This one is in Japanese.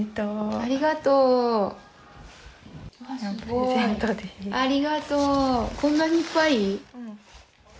ありがとう、こんなにいっぱい？